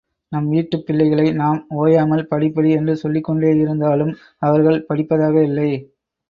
நம் வீட்டுப் பிள்ளைகளை நாம் ஓயாமல் படி படி என்று சொல்லிக்கொண்டேயிருந்தாலும் அவர்கள் படிப்பதாக இல்லை.